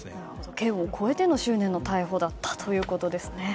県を超えての執念の捜査だったということですね。